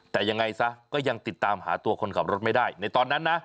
แต่ยังไงซะก็ยังติดตามหาตัวคนขับรถไม่ได้ในตอนนั้นนะ